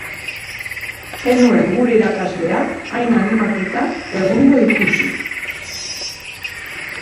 Ez nuen gure irakaslea hain animatuta egundo ikusi.